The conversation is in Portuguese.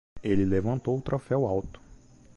Ele levantou o troféu alto.